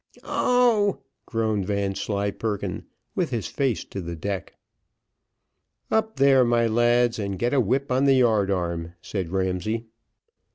"Oh!" groaned Vanslyperken, with his face to the deck. "Up there, my lads, and get a whip on the yard arm," said Ramsay.